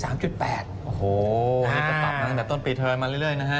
โอ้โหนี่ก็ปรับมาตั้งแต่ต้นปีเทิร์นมาเรื่อยนะฮะ